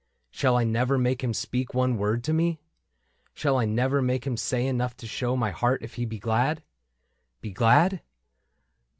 Shall I never make him speak one word to me ? Shall I never make him say enough to show My heart if he be glad ? Be glad